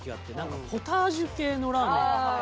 ポタージュ系のラーメン。